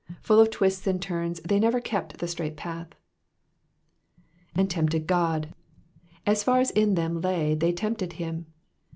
Pull of twists and turns, they never kept the straight path. *^And tempted Ood.'*'* As far as in them lay they tempted him.